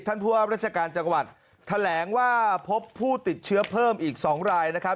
ผู้ว่าราชการจังหวัดแถลงว่าพบผู้ติดเชื้อเพิ่มอีก๒รายนะครับ